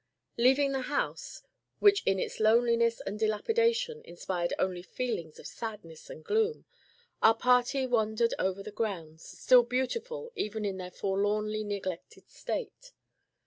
Leaving the house, which in its loneliness and dilapidation inspired only feelings of sadness and gloom, our party wandered over the grounds, still beautiful even in their forlornly neglected state.